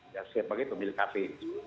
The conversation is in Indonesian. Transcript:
dan setiap pagi pemilik kafe